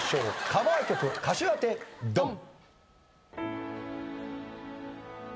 カバー曲歌手当てドン！